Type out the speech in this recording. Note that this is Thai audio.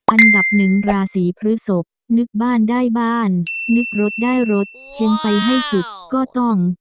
อันดับหนึ่งราศีพฤศพนึกบ้านได้บ้านนึกรถได้รถเห็นไปให้สุดก็ต้อง